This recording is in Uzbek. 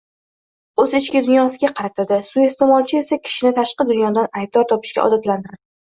o‘z ichki dunyosiga qaratadi, suiiste’molchi esa kishini tashqi dunyodan aybdor topishga odatlantiradi